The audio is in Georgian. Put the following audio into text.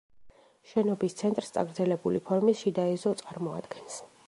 შენობის ცენტრს წაგრძელებული ფორმის შიდა ეზო წარმოადგენს.